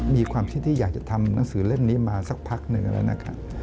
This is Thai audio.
มีความคิดที่อยากจะทำหนังสือเล่มนี้มาสักพักหนึ่งแล้วนะครับ